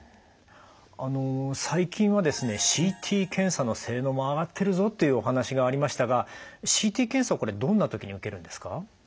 あの最近はですねＣＴ検査の性能も上がってるぞというお話がありましたがＣＴ検査はこれどんな時に受けるんですか？